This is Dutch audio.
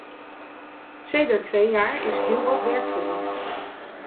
Sedert twee jaar is heel wat werk verricht.